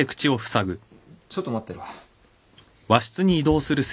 ちょっと待ってろ。